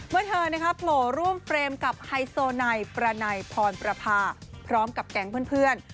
เมื่อเธอนี่โปรลูมเฟรมกับไฮโซนายประไหนฯฟรรปรภาพพร้อมกับแก๊งเพื่อน